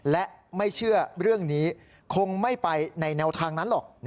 และไม่เชื่อเรื่องนี้คงไม่ไปในแนวทางนั้นหรอก